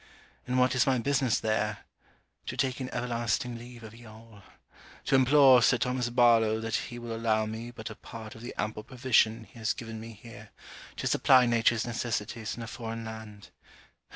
And what is my business there? To take an everlasting leave of ye all. To implore Sir Thomas Barlowe that he will allow me but a pat of the ample provision he has given me here, to supply nature's necessities in a foreign land.